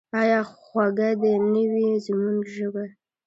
آیا خوږه دې نه وي زموږ ژبه؟